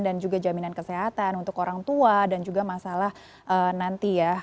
dan juga jaminan kesehatan untuk orang tua dan juga masalah nanti ya